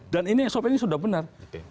dan ini sop nya sudah benar